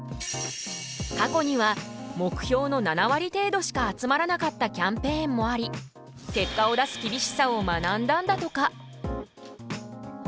過去には目標の７割程度しか集まらなかったキャンペーンもあり結果を出す厳しさを学んだんだとか。